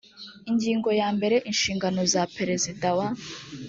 ingingo ya mbere inshingano za perezida wa